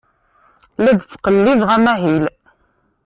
La d-ttqellibeɣ amahil.